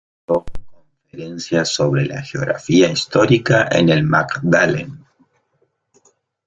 Ha dado conferencias sobre la geografía histórica en el Magdalen.